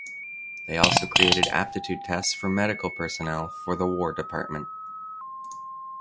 They also created aptitude tests for medical personnel for the War Department.